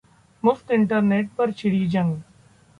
मुफ्त इंटरनेट पर छिड़ी जंग